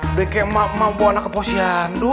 udah kayak mampu anak ke posyandu